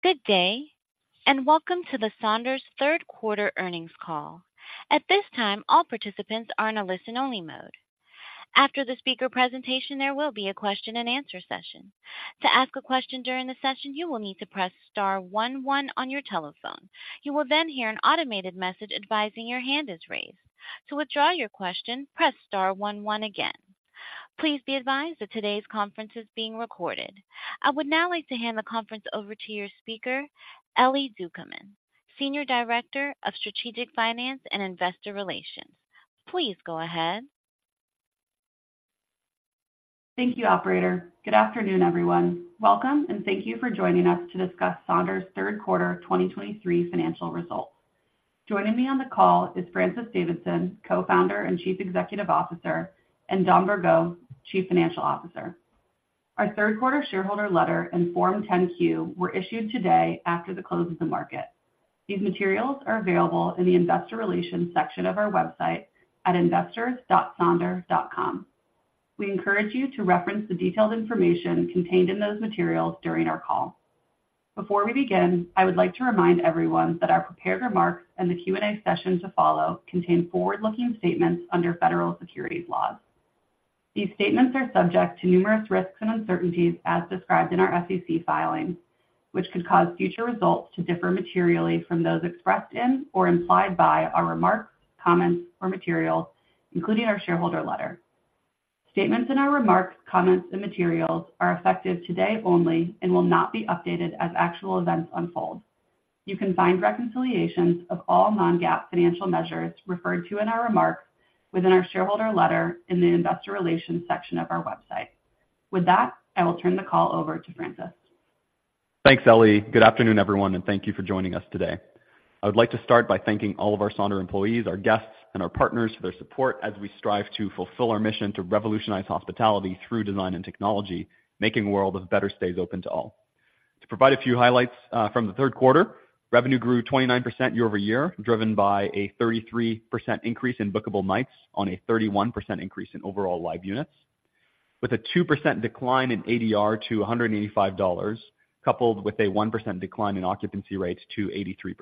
Good day, and welcome to the Sonder's third quarter earnings call. At this time, all participants are in a listen-only mode. After the speaker presentation, there will be a question and answer session. To ask a question during the session, you will need to press star one one on your telephone. You will then hear an automated message advising your hand is raised. To withdraw your question, press star one one again. Please be advised that today's conference is being recorded. I would now like to hand the conference over to your speaker, Ellie Ducommun, Senior Director of Strategic Finance and Investor Relations. Please go ahead. Thank you, operator. Good afternoon, everyone. Welcome, and thank you for joining us to discuss Sonder's third quarter 2023 financial results. Joining me on the call is Francis Davidson, Co-founder and Chief Executive Officer, and Dom Bourgault, Chief Financial Officer. Our third quarter shareholder letter and Form 10-Q were issued today after the close of the market. These materials are available in the Investor Relations section of our website at investors.sonder.com. We encourage you to reference the detailed information contained in those materials during our call. Before we begin, I would like to remind everyone that our prepared remarks and the Q&A session to follow contain forward-looking statements under federal securities laws. These statements are subject to numerous risks and uncertainties as described in our SEC filings, which could cause future results to differ materially from those expressed in or implied by our remarks, comments, or materials, including our shareholder letter. Statements in our remarks, comments, and materials are effective today only and will not be updated as actual events unfold. You can find reconciliations of all non-GAAP financial measures referred to in our remarks within our shareholder letter in the Investor Relations section of our website. With that, I will turn the call over to Francis. Thanks, Ellie. Good afternoon, everyone, and thank you for joining us today. I would like to start by thanking all of our Sonder employees, our guests, and our partners for their support as we strive to fulfill our mission to revolutionize hospitality through design and technology, making a world of better stays open to all. To provide a few highlights from the third quarter, revenue grew 29% year-over-year, driven by a 33% increase in bookable nights on a 31% increase in overall live units, with a 2% decline in ADR to $185, coupled with a 1% decline in occupancy rates to 83%.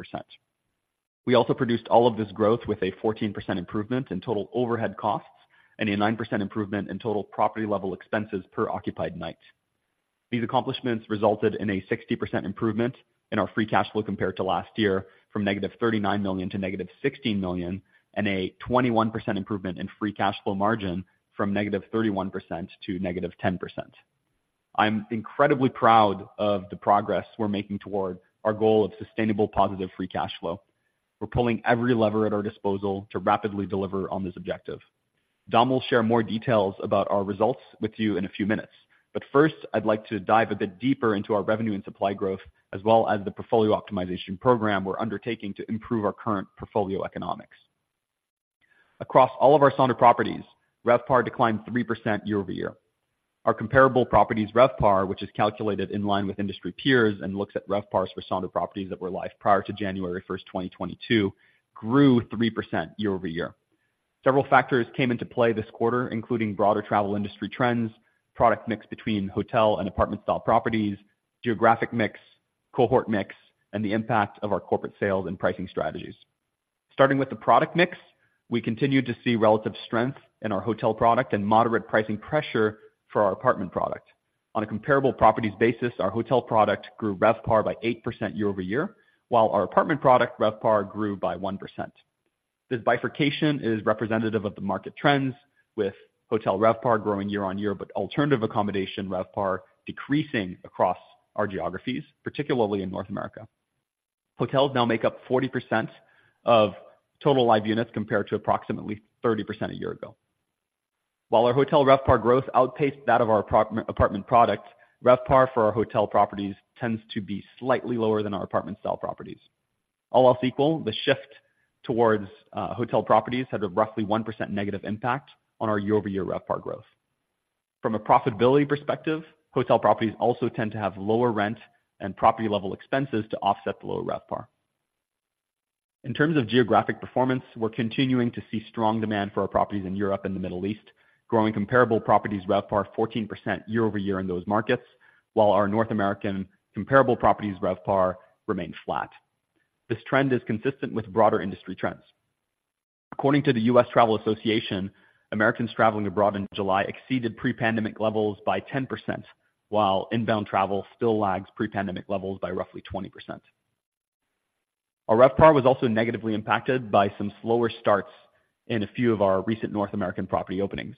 We also produced all of this growth with a 14% improvement in total overhead costs and a 9% improvement in total property-level expenses per occupied night. These accomplishments resulted in a 60% improvement in our free cash flow compared to last year, from -$39 million to -$16 million, and a 21% improvement in free cash flow margin from -31% to -10%. I'm incredibly proud of the progress we're making toward our goal of sustainable, positive free cash flow. We're pulling every lever at our disposal to rapidly deliver on this objective. Dom will share more details about our results with you in a few minutes, but first, I'd like to dive a bit deeper into our revenue and supply growth, as well as the portfolio optimization program we're undertaking to improve our current portfolio economics. Across all of our Sonder properties, RevPAR declined 3% year-over-year. Our comparable properties RevPAR, which is calculated in line with industry peers and looks at RevPARs for Sonder properties that were live prior to January 1, 2022, grew 3% year-over-year. Several factors came into play this quarter, including broader travel industry trends, product mix between hotel and apartment-style properties, geographic mix, cohort mix, and the impact of our corporate sales and pricing strategies. Starting with the product mix, we continued to see relative strength in our hotel product and moderate pricing pressure for our apartment product. On a comparable properties basis, our hotel product grew RevPAR by 8% year-over-year, while our apartment product RevPAR grew by 1%. This bifurcation is representative of the market trends, with hotel RevPAR growing year-on-year, but alternative accommodation RevPAR decreasing across our geographies, particularly in North America. Hotels now make up 40% of total live units, compared to approximately 30% a year ago. While our hotel RevPAR growth outpaced that of our apartment, apartment product, RevPAR for our hotel properties tends to be slightly lower than our apartment-style properties. All else equal, the shift towards, hotel properties had a roughly 1% negative impact on our year-over-year RevPAR growth. From a profitability perspective, hotel properties also tend to have lower rent and property-level expenses to offset the lower RevPAR. In terms of geographic performance, we're continuing to see strong demand for our properties in Europe and the Middle East, growing comparable properties RevPAR 14% year-over-year in those markets, while our North American comparable properties RevPAR remained flat. This trend is consistent with broader industry trends. According to the U.S. Travel Association, Americans traveling abroad in July exceeded pre-pandemic levels by 10%, while inbound travel still lags pre-pandemic levels by roughly 20%. Our RevPAR was also negatively impacted by some slower starts in a few of our recent North American property openings.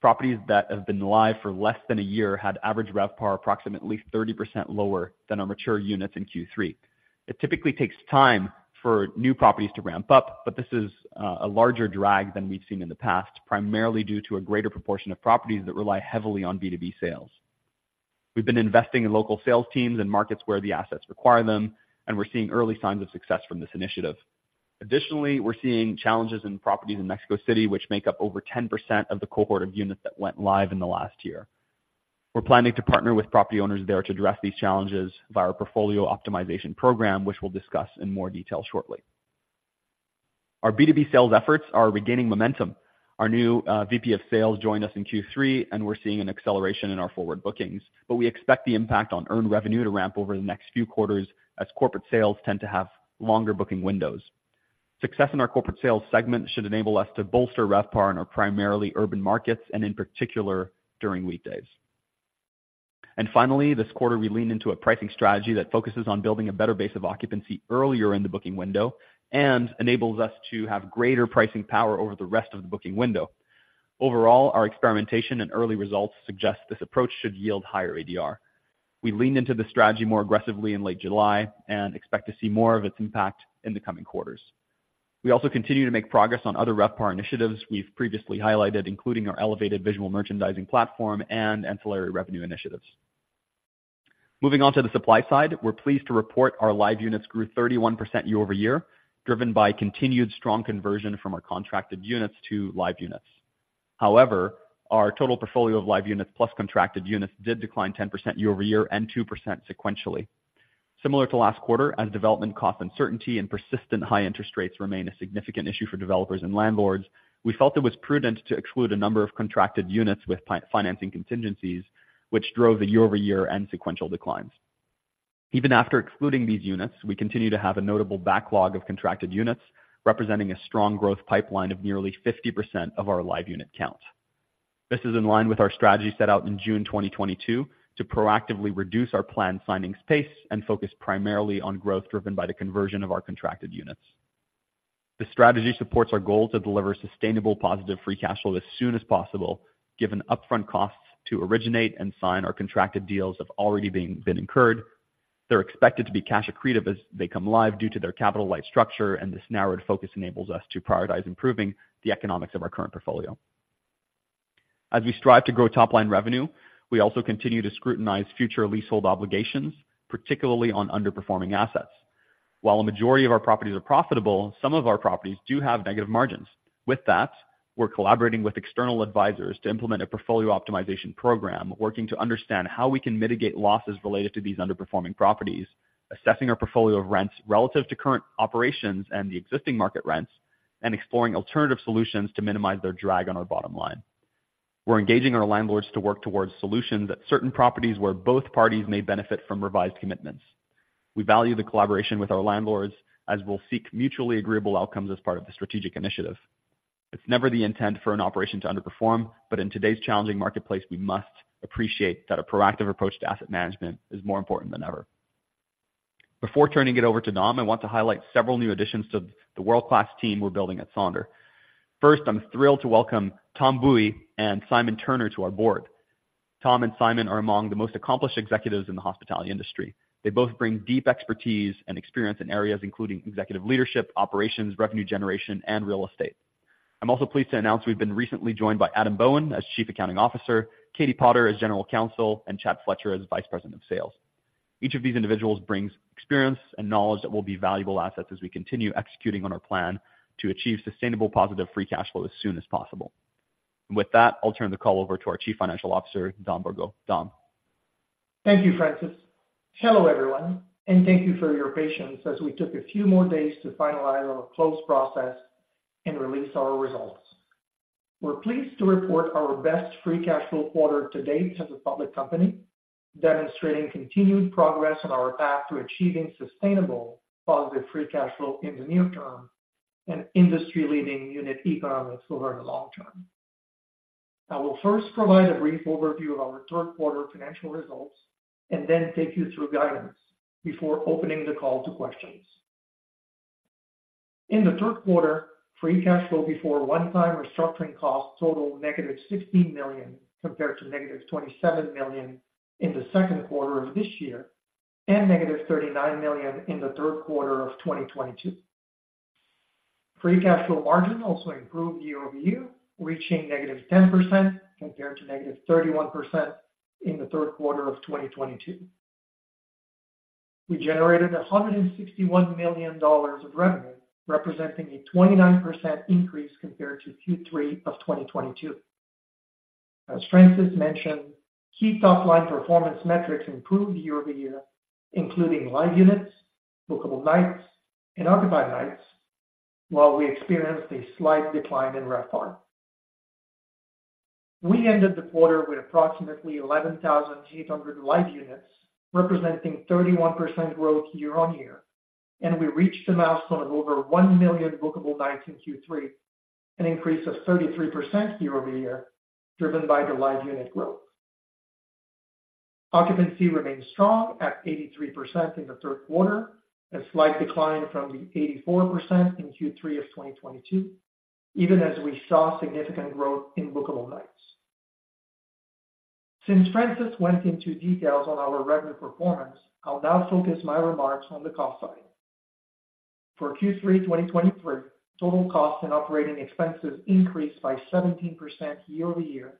Properties that have been live for less than a year had average RevPAR approximately 30% lower than our mature units in Q3. It typically takes time for new properties to ramp up, but this is a larger drag than we've seen in the past, primarily due to a greater proportion of properties that rely heavily on B2B sales. We've been investing in local sales teams and markets where the assets require them, and we're seeing early signs of success from this initiative. Additionally, we're seeing challenges in properties in Mexico City, which make up over 10% of the cohort of units that went live in the last year. We're planning to partner with property owners there to address these challenges via our portfolio optimization program, which we'll discuss in more detail shortly... Our B2B sales efforts are regaining momentum. Our new VP of sales joined us in Q3, and we're seeing an acceleration in our forward bookings. But we expect the impact on earned revenue to ramp over the next few quarters, as corporate sales tend to have longer booking windows. Success in our corporate sales segment should enable us to bolster RevPAR in our primarily urban markets and in particular, during weekdays. Finally, this quarter, we leaned into a pricing strategy that focuses on building a better base of occupancy earlier in the booking window, and enables us to have greater pricing power over the rest of the booking window. Overall, our experimentation and early results suggest this approach should yield higher ADR. We leaned into the strategy more aggressively in late July and expect to see more of its impact in the coming quarters. We also continue to make progress on other RevPAR initiatives we've previously highlighted, including our elevated visual merchandising platform and ancillary revenue initiatives. Moving on to the supply side. We're pleased to report our live units grew 31% year-over-year, driven by continued strong conversion from our contracted units to live units. However, our total portfolio of live units plus contracted units did decline 10% year-over-year and 2% sequentially. Similar to last quarter, as development cost uncertainty and persistent high interest rates remain a significant issue for developers and landlords, we felt it was prudent to exclude a number of contracted units with financing contingencies, which drove the year-over-year and sequential declines. Even after excluding these units, we continue to have a notable backlog of contracted units, representing a strong growth pipeline of nearly 50% of our live unit count. This is in line with our strategy set out in June 2022 to proactively reduce our planned signing space and focus primarily on growth driven by the conversion of our contracted units. The strategy supports our goal to deliver sustainable, positive free cash flow as soon as possible, given upfront costs to originate and sign our contracted deals have already been incurred. They're expected to be cash accretive as they come live due to their capital light structure, and this narrowed focus enables us to prioritize improving the economics of our current portfolio. As we strive to grow top-line revenue, we also continue to scrutinize future leasehold obligations, particularly on underperforming assets. While a majority of our properties are profitable, some of our properties do have negative margins. With that, we're collaborating with external advisors to implement a portfolio optimization program, working to understand how we can mitigate losses related to these underperforming properties, assessing our portfolio of rents relative to current operations and the existing market rents, and exploring alternative solutions to minimize their drag on our bottom line. We're engaging our landlords to work towards solutions at certain properties where both parties may benefit from revised commitments. We value the collaboration with our landlords as we'll seek mutually agreeable outcomes as part of the strategic initiative. It's never the intent for an operation to underperform, but in today's challenging marketplace, we must appreciate that a proactive approach to asset management is more important than ever. Before turning it over to Dom, I want to highlight several new additions to the world-class team we're building at Sonder. First, I'm thrilled to welcome Tom Buoy and Simon Turner to our board. Tom and Simon are among the most accomplished executives in the hospitality industry. They both bring deep expertise and experience in areas including executive leadership, operations, revenue generation, and real estate. I'm also pleased to announce we've been recently joined by Adam Bowen as Chief Accounting Officer, Katie Potter as General Counsel, and Chad Fletcher as Vice President of Sales. Each of these individuals brings experience and knowledge that will be valuable assets as we continue executing on our plan to achieve sustainable, positive free cash flow as soon as possible. With that, I'll turn the call over to our Chief Financial Officer, Dom Bourgault. Dom? Thank you, Francis. Hello, everyone, and thank you for your patience as we took a few more days to finalize our close process and release our results. We're pleased to report our best free cash flow quarter to date as a public company, demonstrating continued progress on our path to achieving sustainable positive free cash flow in the near term and industry-leading unit economics over the long term. I will first provide a brief overview of our third quarter financial results and then take you through guidance before opening the call to questions. In the third quarter, free cash flow before one-time restructuring costs totaled -$16 million, compared to -$27 million in the second quarter of this year, and -$39 million in the third quarter of 2022. Free cash flow margin also improved year-over-year, reaching -10%, compared to -31% in the third quarter of 2022. We generated $161 million of revenue, representing a 29% increase compared to Q3 of 2022. As Francis mentioned, key top-line performance metrics improved year-over-year, including live units, bookable nights, and occupied nights, while we experienced a slight decline in RevPAR. We ended the quarter with approximately 11,800 live units, representing 31% growth year-over-year, and we reached a milestone of over 1 million bookable nights in Q3, an increase of 33% year-over-year, driven by the live unit growth. Occupancy remained strong at 83% in the third quarter, a slight decline from the 84% in Q3 of 2022, even as we saw significant growth in bookable nights. Since Francis went into details on our revenue performance, I'll now focus my remarks on the cost side. For Q3 2023, total costs and operating expenses increased by 17% year-over-year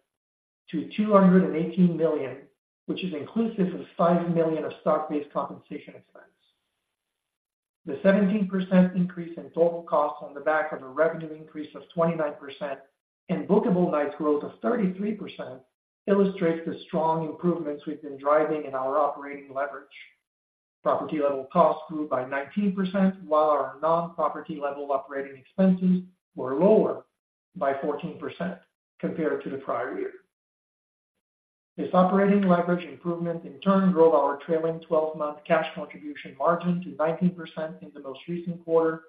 to $218 million, which is inclusive of $5 million of stock-based compensation expense. The 17% increase in total costs on the back of a revenue increase of 29% and bookable nights growth of 33% illustrates the strong improvements we've been driving in our operating leverage.... Property level costs grew by 19%, while our non-property level operating expenses were lower by 14% compared to the prior year. This operating leverage improvement in turn drove our trailing twelve-month cash contribution margin to 19% in the most recent quarter,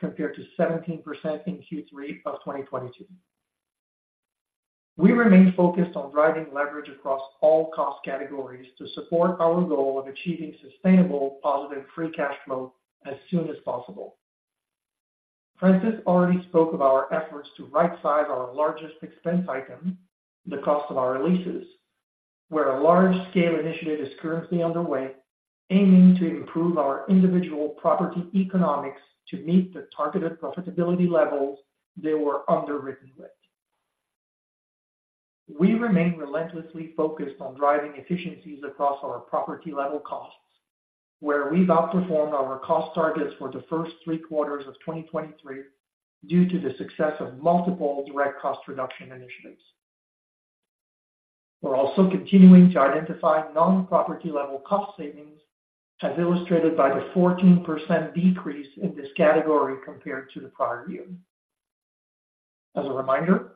compared to 17% in Q3 of 2022. We remain focused on driving leverage across all cost categories to support our goal of achieving sustainable positive free cash flow as soon as possible. Francis already spoke of our efforts to rightsize our largest expense item, the cost of our leases, where a large-scale initiative is currently underway, aiming to improve our individual property economics to meet the targeted profitability levels they were underwritten with. We remain relentlessly focused on driving efficiencies across our property level costs, where we've outperformed our cost targets for the first three quarters of 2023 due to the success of multiple direct cost reduction initiatives. We're also continuing to identify non-property level cost savings, as illustrated by the 14% decrease in this category compared to the prior year. As a reminder,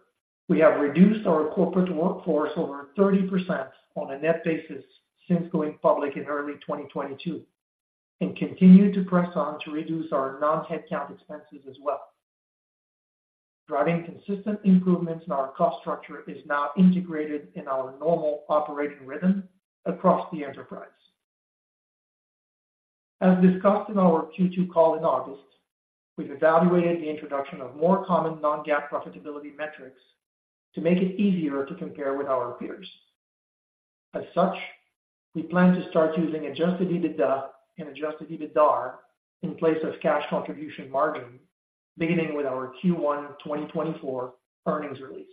we have reduced our corporate workforce over 30% on a net basis since going public in early 2022, and continue to press on to reduce our non-headcount expenses as well. Driving consistent improvements in our cost structure is now integrated in our normal operating rhythm across the enterprise. As discussed in our Q2 call in August, we've evaluated the introduction of more common non-GAAP profitability metrics to make it easier to compare with our peers. As such, we plan to start using Adjusted EBITDA and Adjusted EBITDA in place of cash contribution margin, beginning with our Q1 2024 earnings release.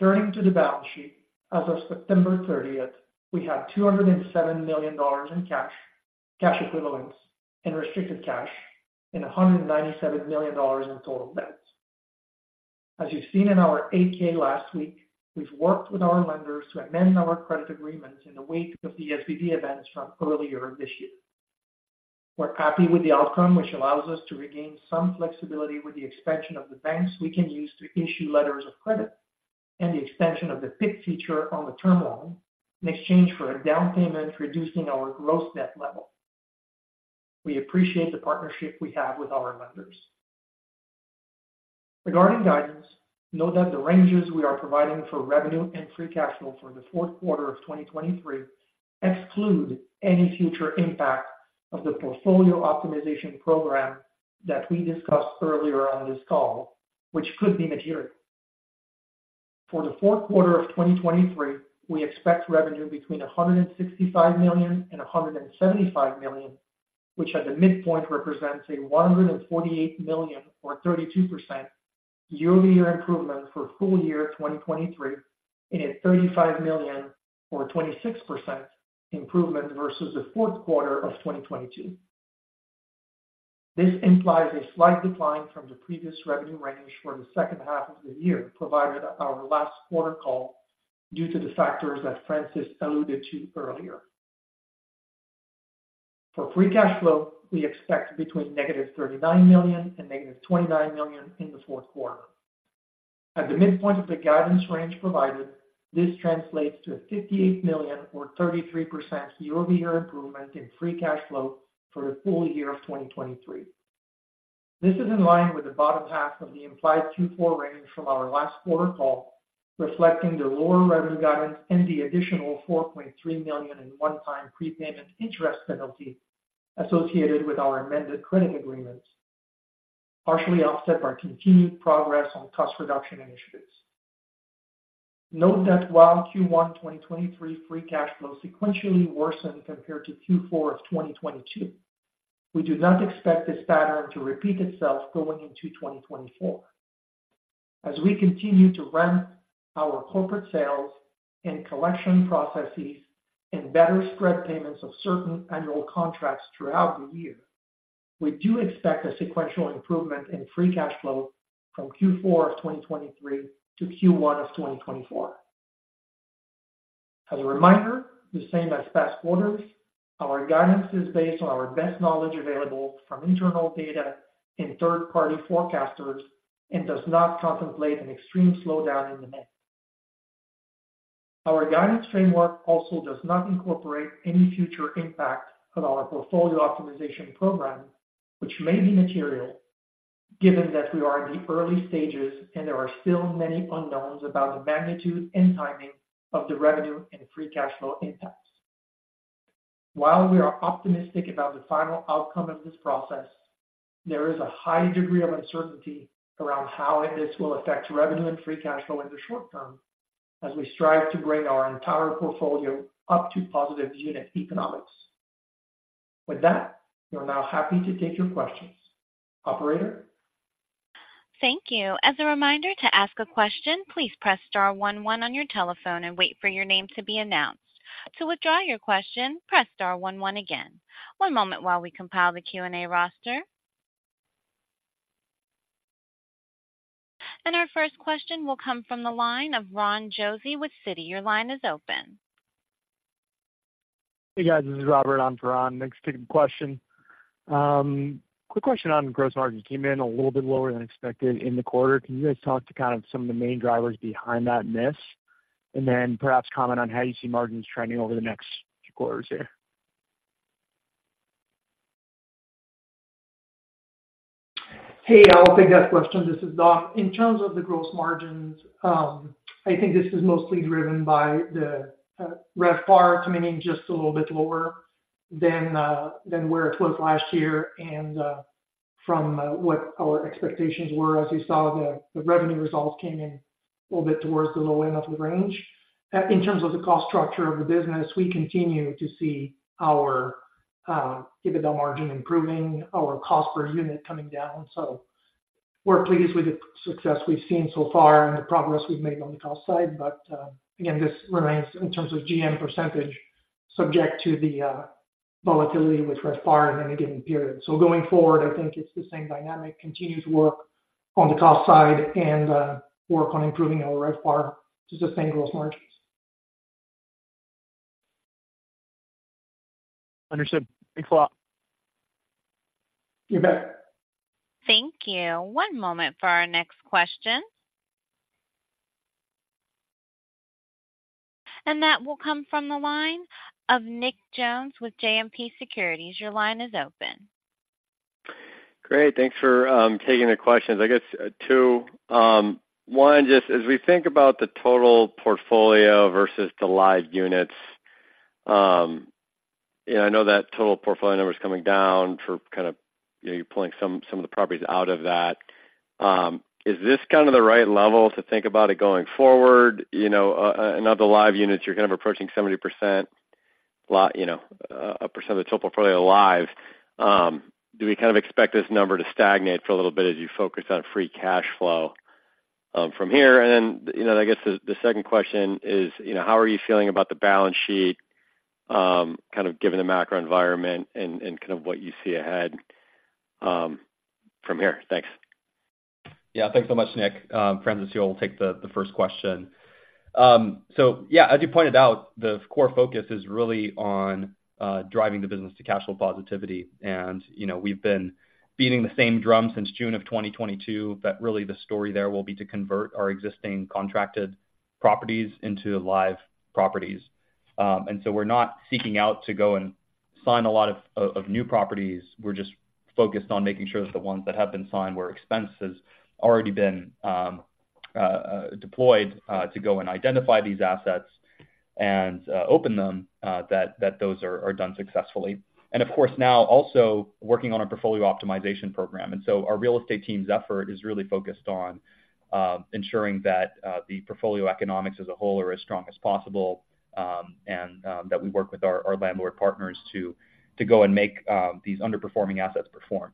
Turning to the balance sheet, as of September 30, we had $207 million in cash, cash equivalents, and restricted cash, and $197 million in total debt. As you've seen in our 8-K last week, we've worked with our lenders to amend our credit agreements in the wake of the SVB events from earlier this year. We're happy with the outcome, which allows us to regain some flexibility with the expansion of the banks we can use to issue letters of credit and the extension of the PIK feature on the term loan in exchange for a down payment, reducing our gross debt level. We appreciate the partnership we have with our lenders. Regarding guidance, note that the ranges we are providing for revenue and free cash flow for the fourth quarter of 2023 exclude any future impact of the portfolio optimization program that we discussed earlier on this call, which could be material. For the fourth quarter of 2023, we expect revenue between $165 million and $175 million, which at the midpoint represents a $148 million or 32% year-over-year improvement for full year 2023, and a $35 million or 26% improvement versus the fourth quarter of 2022. This implies a slight decline from the previous revenue range for the second half of the year, provided our last quarter call, due to the factors that Francis alluded to earlier. For free cash flow, we expect between -$39 million and -$29 million in the fourth quarter. At the midpoint of the guidance range provided, this translates to a $58 million or 33% year-over-year improvement in free cash flow for the full year of 2023. This is in line with the bottom half of the implied Q4 range from our last quarter call, reflecting the lower revenue guidance and the additional $4.3 million in one-time prepayment interest penalty associated with our amended credit agreements, partially offset by continued progress on cost reduction initiatives. Note that while Q1 2023 free cash flow sequentially worsened compared to Q4 of 2022, we do not expect this pattern to repeat itself going into 2024. As we continue to ramp our corporate sales and collection processes and better spread payments of certain annual contracts throughout the year, we do expect a sequential improvement in free cash flow from Q4 of 2023 to Q1 of 2024. As a reminder, the same as past quarters, our guidance is based on our best knowledge available from internal data and third-party forecasters and does not contemplate an extreme slowdown in demand. Our guidance framework also does not incorporate any future impact of our portfolio optimization program, which may be material, given that we are in the early stages and there are still many unknowns about the magnitude and timing of the revenue and free cash flow impacts. While we are optimistic about the final outcome of this process, there is a high degree of uncertainty around how this will affect revenue and free cash flow in the short term as we strive to bring our entire portfolio up to positive unit economics. With that, we are now happy to take your questions. Operator? Thank you. As a reminder, to ask a question, please press star one one on your telephone and wait for your name to be announced. To withdraw your question, press star one one again. One moment while we compile the Q&A roster... Our first question will come from the line of Ron Josey with Citi. Your line is open. Hey, guys. This is Robert on for Ron. Thanks for taking the question. Quick question on gross margin. Came in a little bit lower than expected in the quarter. Can you guys talk to kind of some of the main drivers behind that miss? Then perhaps comment on how you see margins trending over the next few quarters here. Hey, I'll take that question. This is Dom. In terms of the gross margins, I think this is mostly driven by the RevPAR coming in just a little bit lower than where it was last year and from what our expectations were. As you saw, the revenue results came in a little bit towards the low end of the range. In terms of the cost structure of the business, we continue to see our EBITDA margin improving, our cost per unit coming down. So we're pleased with the success we've seen so far and the progress we've made on the cost side. But again, this remains in terms of GM percentage, subject to the volatility with RevPAR in any given period. So going forward, I think it's the same dynamic, continue to work on the cost side and work on improving our RevPAR to sustain gross margins. Understood. Thanks a lot. You bet. Thank you. One moment for our next question. And that will come from the line of Nick Jones with JMP Securities. Your line is open. Great. Thanks for taking the questions. I guess two. One, just as we think about the total portfolio versus the live units, yeah, I know that total portfolio number is coming down for kind of, you know, you're pulling some of the properties out of that. Is this kind of the right level to think about it going forward? You know, and of the live units, you're kind of approaching 70%--you know, a percent of the total portfolio live. Do we kind of expect this number to stagnate for a little bit as you focus on free cash flow from here? Then, you know, I guess the second question is, you know, how are you feeling about the balance sheet, kind of given the macro environment and kind of what you see ahead, from here? Thanks. Yeah, thanks so much, Nick. Francis here will take the first question. So yeah, as you pointed out, the core focus is really on driving the business to cash flow positivity. And, you know, we've been beating the same drum since June of 2022, that really the story there will be to convert our existing contracted properties into live properties. And so we're not seeking out to go and sign a lot of new properties. We're just focused on making sure that the ones that have been signed, where expense has already been deployed to go and identify these assets and open them, that those are done successfully. And of course, now also working on a portfolio optimization program. So our real estate team's effort is really focused on ensuring that the portfolio economics as a whole are as strong as possible, and that we work with our landlord partners to go and make these underperforming assets perform.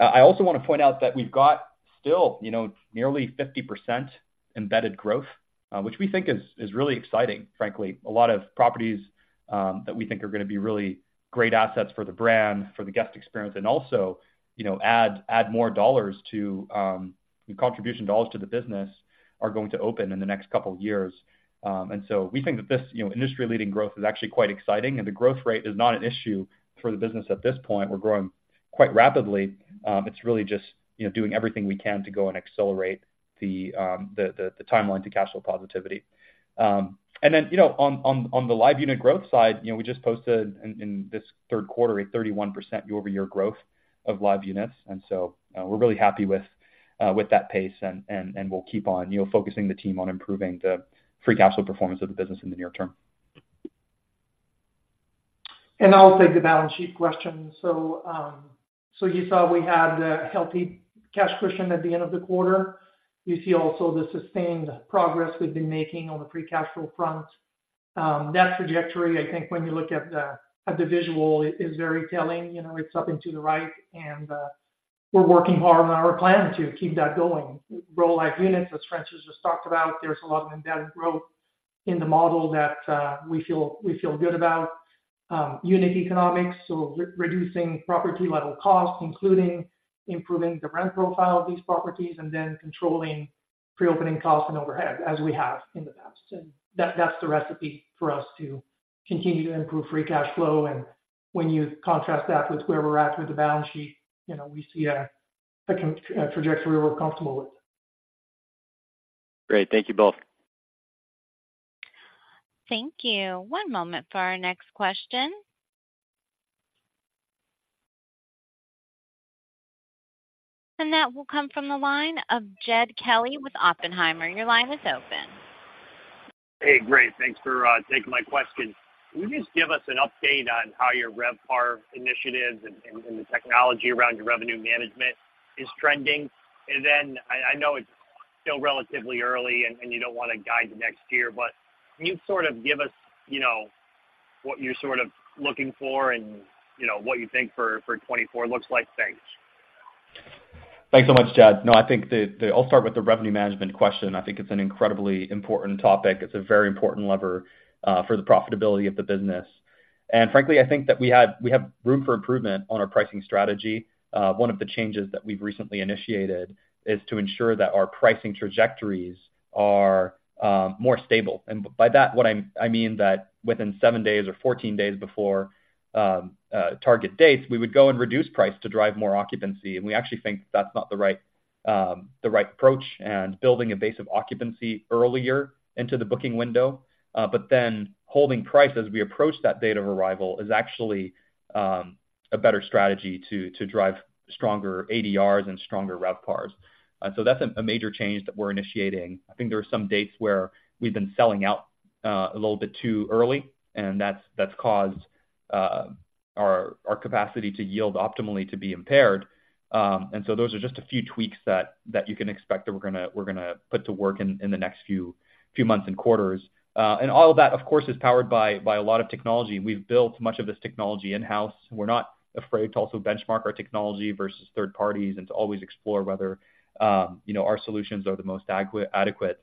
I also want to point out that we've got still, you know, nearly 50% embedded growth, which we think is really exciting, frankly. A lot of properties that we think are going to be really great assets for the brand, for the guest experience, and also, you know, add more dollars to the contribution dollars to the business are going to open in the next couple of years. And so we think that this, you know, industry-leading growth is actually quite exciting, and the growth rate is not an issue for the business at this point. We're growing quite rapidly. It's really just, you know, doing everything we can to go and accelerate the timeline to cash flow positivity. And then, you know, on the live unit growth side, you know, we just posted in this third quarter, a 31% year-over-year growth of live units, and so we're really happy with that pace, and we'll keep on, you know, focusing the team on improving the free cash flow performance of the business in the near term. I'll take the balance sheet question. So you saw we had a healthy cash position at the end of the quarter. You see also the sustained progress we've been making on the free cash flow front. That trajectory, I think when you look at the visual, is very telling. You know, it's up and to the right, and we're working hard on our plan to keep that going. Grow live units, as Francis just talked about, there's a lot of embedded growth in the model that we feel good about. Unit economics, so reducing property level costs, including improving the rent profile of these properties and then controlling pre-opening costs and overhead, as we have in the past. That, that's the recipe for us to continue to improve free cash flow. When you contrast that with where we're at with the balance sheet, you know, we see a trajectory we're comfortable with. Great. Thank you both. Thank you. One moment for our next question. That will come from the line of Jed Kelly with Oppenheimer. Your line is open. Hey, great. Thanks for taking my question. Can you just give us an update on how your RevPAR initiatives and the technology around your revenue management is trending? And then, I know it's still relatively early and you don't want to guide the next year, but can you sort of give us, you know, what you're sort of looking for and, you know, what you think for 2024 looks like? Thanks.... Thanks so much, Jed. No, I think I'll start with the revenue management question. I think it's an incredibly important topic. It's a very important lever for the profitability of the business. And frankly, I think that we have room for improvement on our pricing strategy. One of the changes that we've recently initiated is to ensure that our pricing trajectories are more stable. And by that, what I mean is that within seven days or 14 days before target dates, we would go and reduce price to drive more occupancy. And we actually think that's not the right approach, and building a base of occupancy earlier into the booking window, but then holding price as we approach that date of arrival is actually a better strategy to drive stronger ADRs and stronger RevPARs. So that's a major change that we're initiating. I think there are some dates where we've been selling out a little bit too early, and that's caused our capacity to yield optimally to be impaired. And so those are just a few tweaks that you can expect that we're going to put to work in the next few months and quarters. And all of that, of course, is powered by a lot of technology. We've built much of this technology in-house. We're not afraid to also benchmark our technology versus third parties and to always explore whether, you know, our solutions are the most adequate.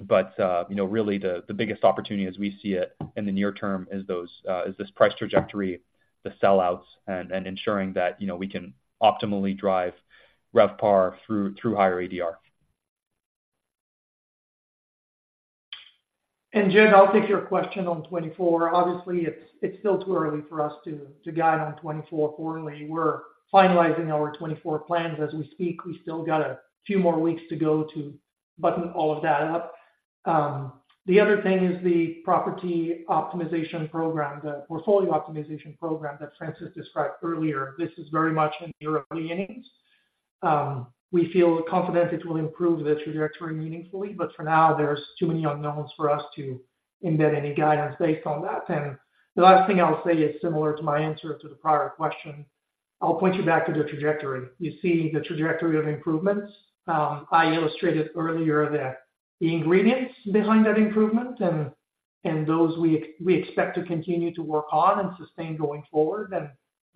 But, you know, really, the biggest opportunity as we see it in the near term is this price trajectory, the sellouts, and ensuring that, you know, we can optimally drive RevPAR through higher ADR. Jed, I'll take your question on 2024. Obviously, it's still too early for us to guide on 2024 quarterly. We're finalizing our 2024 plans as we speak. We still got a few more weeks to go to button all of that up. The other thing is the property optimization program, the portfolio optimization program that Francis described earlier. This is very much in the early innings. We feel confident it will improve the trajectory meaningfully, but for now, there's too many unknowns for us to embed any guidance based on that. And the last thing I'll say is similar to my answer to the prior question. I'll point you back to the trajectory. You see the trajectory of improvements. I illustrated earlier that the ingredients behind that improvement and those we expect to continue to work on and sustain going forward.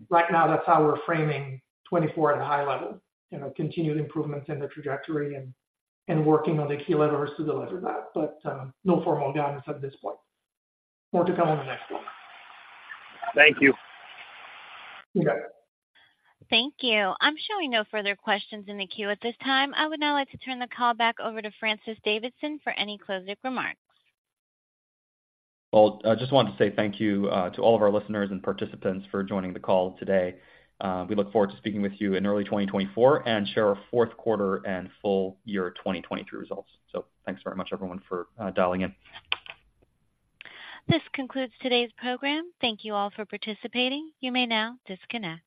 Right now, that's how we're framing 2024 at a high level, you know, continued improvement in the trajectory and working on the key levers to deliver that, but no formal guidance at this point. More to come on the next one. Thank you. You got it. Thank you. I'm showing no further questions in the queue at this time. I would now like to turn the call back over to Francis Davidson for any closing remarks. Well, I just want to say thank you to all of our listeners and participants for joining the call today. We look forward to speaking with you in early 2024 and share our fourth quarter and full year 2023 results. So thanks very much, everyone, for dialing in. This concludes today's program. Thank you all for participating. You may now disconnect.